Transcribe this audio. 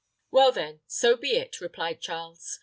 "Well, then, so be it," replied Charles.